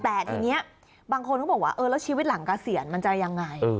แต่ทีนี้บางคนก็บอกว่าเออแล้วชีวิตหลังเกษียณมันจะยังไง